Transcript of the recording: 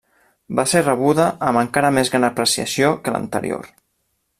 Va ser rebuda amb encara més gran apreciació que l'anterior.